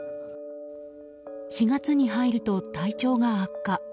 ４月に入ると体調が悪化。